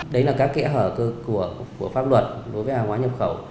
đấy là các kẽ hở của pháp luật đối với hàng hóa nhập khẩu